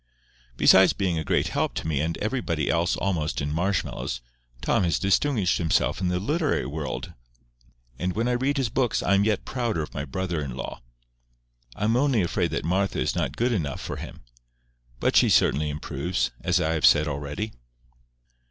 Besides being a great help to me and everybody else almost in Marshmallows, Tom has distinguished himself in the literary world; and when I read his books I am yet prouder of my brother in law. I am only afraid that Martha is not good enough for him. But she certainly improves, as I have said already.